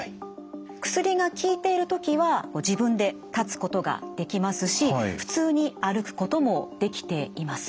薬が効いてるときは自分で立つことができますし普通に歩くこともできています。